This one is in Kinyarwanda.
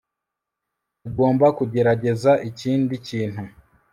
tugomba kugerageza ikindi kintu